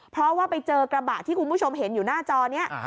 เพราะว่าไปเจอกระบะที่คุณผู้ชมเห็นอยู่หน้าจอนี้